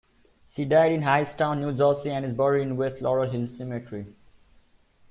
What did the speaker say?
She died in Hightstown, New Jersey and is buried in West Laurel Hill Cemetery.